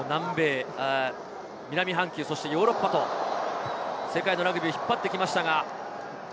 南半球、そしてヨーロッパと世界を引っ張ってきましたが。